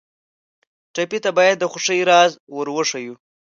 ټپي ته باید د خوښۍ راز ور وښیو.